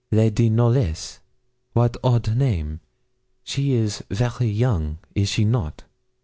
'Lady Knollys wat odd name! She is very young is she not?'